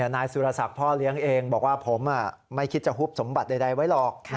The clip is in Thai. นายสุรศักดิ์พ่อเลี้ยงเองบอกว่าผมไม่คิดจะฮุบสมบัติใดไว้หรอก